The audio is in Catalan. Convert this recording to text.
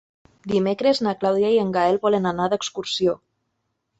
Dimecres na Clàudia i en Gaël volen anar d'excursió.